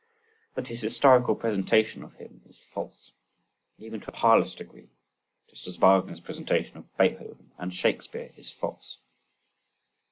But his historical presentation of him is false, even to a parlous degree: just as Wagner's presentation of Beethoven and Shakespeare is false.